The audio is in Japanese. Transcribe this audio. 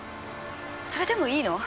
それでもいいの？